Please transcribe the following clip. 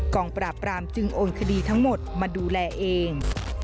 งปราบปรามจึงโอนคดีทั้งหมดมาดูแลเอง